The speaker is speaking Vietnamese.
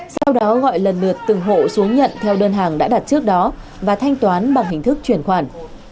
sau đó gọi lần lượt từng hộ xuống nhận theo đơn hàng đã đặt trước đó và thanh toán bằng hình thức chuyển khoản